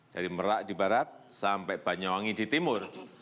dari merak di barat sampai banyuwangi di timur